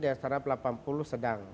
dari satu ratus delapan puluh sedang